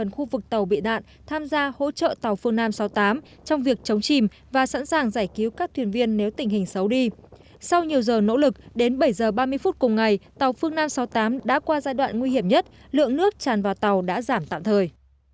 trung tâm phối hợp tìm kiếm và sẵn sàng giải cứu các thuyền viên nếu tình hình xấu đi sau nhiều giờ nỗ lực đến bảy giờ ba mươi phút cùng ngày tàu phương nam sáu mươi tám đã qua giai đoạn nguy hiểm nhất lượng nước tràn vào tàu đã giảm tạm thời